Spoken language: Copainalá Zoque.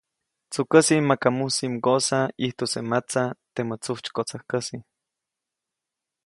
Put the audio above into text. ‒Tsukäsi maka mujsi mgoʼsa ʼijtuse matsa, temä tsujtsykotsäjkäsi-.